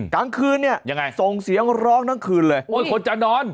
กลางคืนเนี่ยยังไงส่งเสียงร้องทั้งคืนเลยโอ้ยคนจะนอน